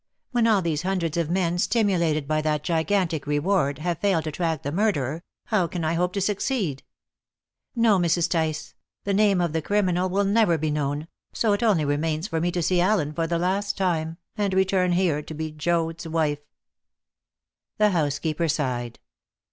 When all these hundreds of men, stimulated by that gigantic reward, have failed to track the murderer, how can I hope to succeed? No, Mrs. Tice; the name of the criminal will never be known, so it only remains for me to see Allen for the last time, and return here to be Joad's wife." The housekeeper sighed.